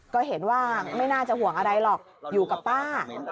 ก็เห็นว่าไม่น่าจะห่วงอะไรหรอกอยู่กับป้า